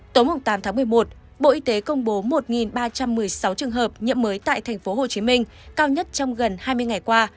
tối tám tháng một mươi một bộ y tế công bố một ba trăm một mươi sáu trường hợp nhiễm mới tại tp hcm cao nhất trong gần hai mươi ngày qua